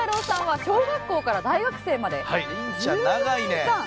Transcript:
さんは小学校から大学生まで１４年間。